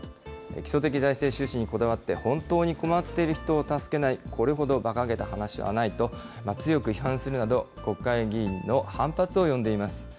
基礎的財政収支にこだわって本当に困っている人を助けない、これほどばかげた話はないと強く批判するなど、国会議員の反発を呼んでいます。